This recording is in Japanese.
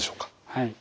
はい。